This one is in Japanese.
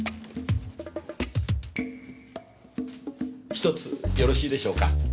１つよろしいでしょうか？